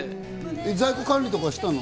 在庫管理とかしたの？